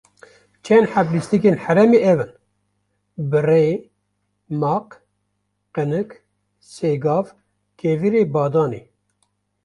çend heb lîstikên herêmê ev in: Birê, maq, qinik, sêgav, kevirê badanê